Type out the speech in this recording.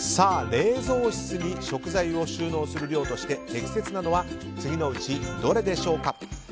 冷蔵室に食材を収納する量として適切なのは次のうちどれでしょうか。